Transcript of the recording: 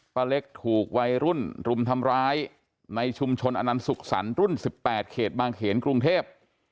เล็กถูกวัยรุ่นรุมทำร้ายในชุมชนอนันสุขสรรค์รุ่น๑๘เขตบางเขนกรุงเทพ